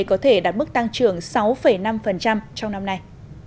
có thể đạt mức tăng trưởng sáu năm trong năm nay